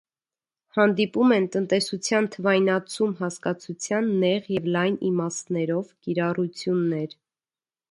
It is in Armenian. Հանդիպում են «տնտեսության թվայնացում» հասկացության նեղ և լայն իմաստներով կիրառություններ։